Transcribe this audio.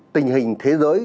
tình hình thế giới